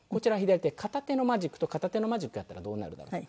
片手のマジックと片手のマジックやったらどうなるだろうと。